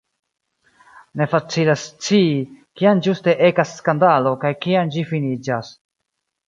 Ne facilas scii, kiam ĝuste ekas skandalo, kaj kiam ĝi finiĝas.